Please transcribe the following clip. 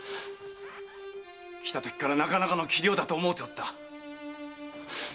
来たときからなかなかの器量だと思うておった。